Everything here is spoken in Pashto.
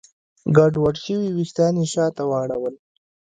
ګډوډ شوي وېښتان يې شاته واړول.